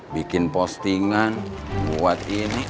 bikin postingan buat ini